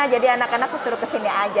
jadi anak anak aku suruh kesini aja